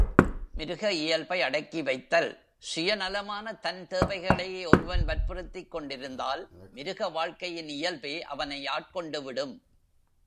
மிருக இயல்பை அடக்கிவைத்தல் சுயநலமான தன் தேவைகளையே ஒருவன் வற்புறுத்திக் கொண்டிருந்தால், மிருக வாழ்க்கையின் இயல்பே அவனை ஆட்கொண்டுவிடும்.